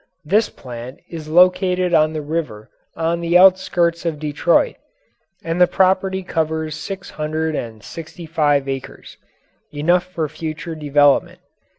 This plant is located on the river on the outskirts of Detroit and the property covers six hundred and sixty five acres enough for future development.